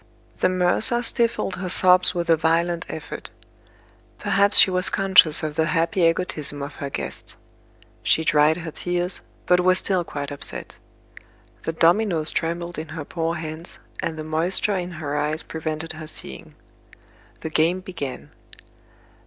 The mercer stifled her sobs with a violent effort. Perhaps she was conscious of the happy egotism of her guests. She dried her tears, but was still quite upset. The dominoes trembled in her poor hands, and the moisture in her eyes prevented her seeing. The game began.